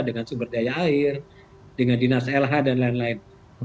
dengan sumber daya air dengan dinas lh dan lain lain